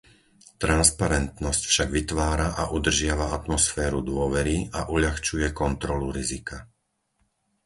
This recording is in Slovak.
Transparentnosť však vytvára a udržiava atmosféru dôvery a uľahčuje kontrolu rizika.